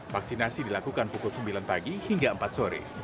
vaksinasi dilakukan pukul sembilan pagi hingga empat sore